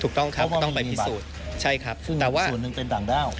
ถูกต้องครับก็ต้องไปพิสูจน์ใช่ครับซึ่งแต่ว่าส่วนหนึ่งเป็นต่างด้าว